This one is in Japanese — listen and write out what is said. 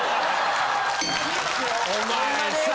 お前さ。